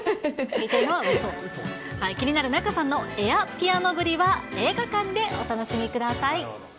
気になる仲さんのエアピアノぶりは映画館でお楽しみください。